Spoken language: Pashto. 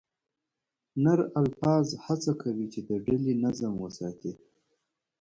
نر الفا هڅه کوي، چې د ډلې نظم وساتي.